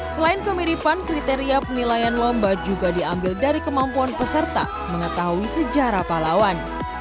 selain kemiripan kriteria penilaian lomba juga diambil dari kemampuan peserta mengetahui sejarah pahlawan